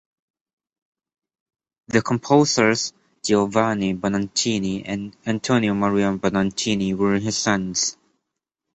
The composers Giovanni Bononcini and Antonio Maria Bononcini were his sons.